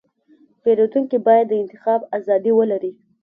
پیرودونکی باید د انتخاب ازادي ولري.